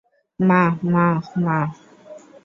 মা, মা, মা!